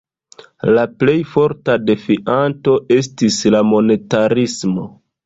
La plej forta defianto estis la monetarismo.